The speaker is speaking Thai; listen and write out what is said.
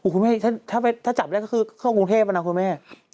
คุณแม่ถ้าจับได้ก็คือเข้ากรุงเทพนะคุณแม่